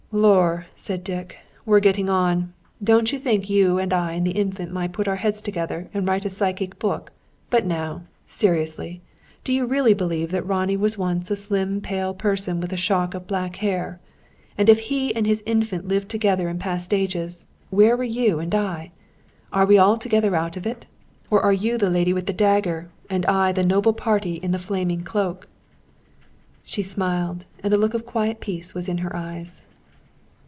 "Lor!" said Dr. Dick. "We're getting on! Don't you think you and I and the Infant might put our heads together, and write a psychic book! But now seriously. Do you really believe Ronnie was once a slim, pale person, with a shock of black hair? And if he and his Infant lived together in past ages, where were you and I? Are we altogether out of it? Or are you the lady with the dagger, and I the noble party in the flaming cloak?" She smiled, and a look of quiet peace was in her eyes.